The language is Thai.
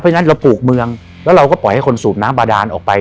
เพราะฉะนั้นเราปลูกเมืองแล้วเราก็ปล่อยให้คนสูบน้ำบาดานออกไป